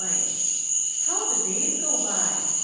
How the days go by